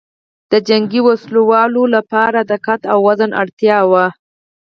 د جنګي وسلو لواو لپاره د قد او وزن اړتیاوې